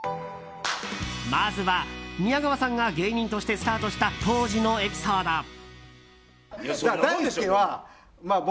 まずは、宮川さんが芸人としてスタートした当時のエピソード。